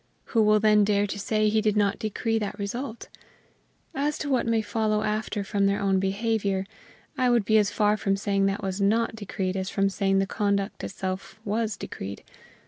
Who will then dare to say he did not decree that result? As to what may follow after from their own behavior, I would be as far from saying that was not decreed as from saying the conduct itself was decreed.